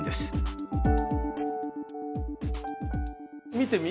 見てみ。